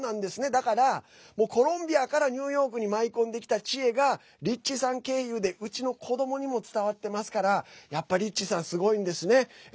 だからコロンビアからニューヨークに舞い込んできた知恵がリッチさん経由でうちの子どもにも伝わってますからやっぱ、リッチさんすごいんですね。